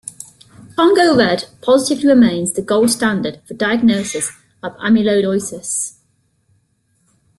Congo Red positivity remains the gold standard for diagnosis of amyloidosis.